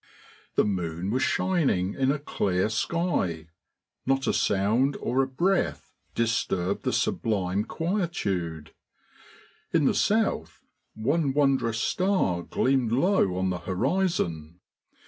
The moon was shining in a clear sky, not a sound or a breath disturbed the sublime quietude; in the south one wondrous star gleamed low on the horizon.